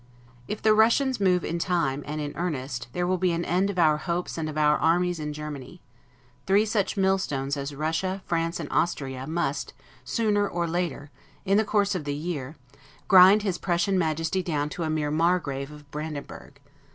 If the Russians move in time, and in earnest, there will be an end of our hopes and of our armies in Germany: three such mill stones as Russia, France, and Austria, must, sooner or later, in the course of the year, grind his Prussian Majesty down to a mere MARGRAVE of Brandenburg.